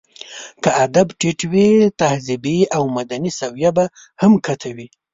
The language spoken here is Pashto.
که ادب ټيت وي، تهذيبي او مدني سويه به هم ښکته وي.